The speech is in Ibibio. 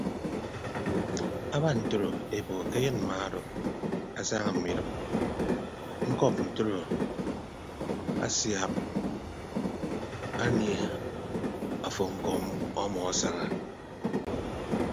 Aba ntoro eboho ke ayịn mma odo asaña mme idịp ñkọp ntodo asiak anie afo ñko ọmmọ esaha.